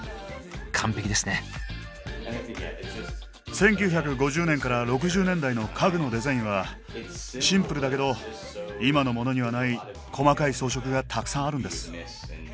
１９５０年から６０年代の家具のデザインはシンプルだけど今のモノにはない細かい装飾がたくさんあるんです。